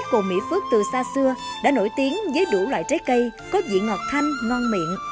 cồn mỹ phước từ xa xưa đã nổi tiếng với đủ loại trái cây có vị ngọt thanh ngon miệng